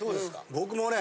僕もね。